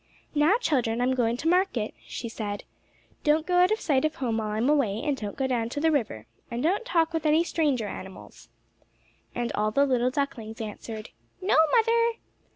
"Now, children, I'm going to market," she said. "Don't go out of sight of home while I'm away, and don't go down to the river, and don't talk with any stranger animals." And all the little ducklings answered, "No, mother."